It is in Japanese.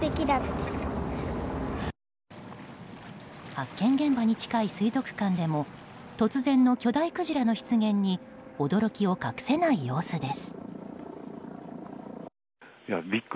発見現場に近い水族館でも突然の巨大クジラの出現に驚きを隠せない様子です。